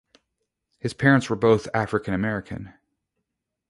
His parents were both African-American.